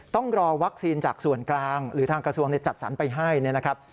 ต้องรอวัคซีนจากส่วนกลางหรือทางกระทรวงจัดสรรไปให้เนี่ยนะครับ